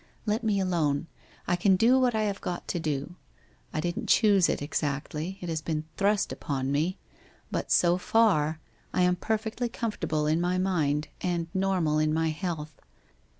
Let me alone. I can do what I have got to do. I didn't choose it exactly ; it has been thrust upon me. But so far, I am perfectly comfortable in my mind and normal in my health.